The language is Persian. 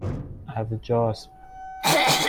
اَرجاسب